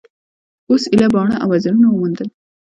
اوس ایله باڼه او وزرونه وموندل.